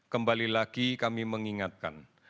kembali lagi kami mengingatkan